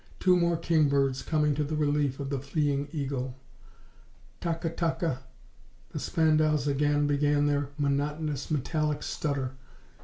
Two more kingbirds coming to the relief of the fleeing eagle. Ta ka ta ka the Spandaus again began their monotonous, metallic stutter.